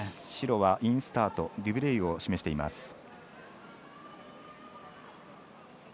白はインスタートデュブレイユを示しています。